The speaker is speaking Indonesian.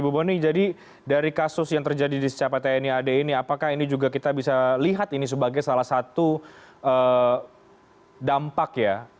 bu boni jadi dari kasus yang terjadi di secapai tni ad ini apakah ini juga kita bisa lihat ini sebagai salah satu dampak ya